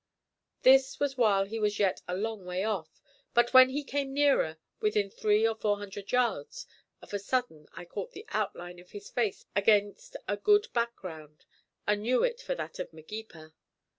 This was while he was yet a long way off, but when he came nearer, within three or four hundred yards, of a sudden I caught the outline of his face against a good background, and knew it for that of Magepa.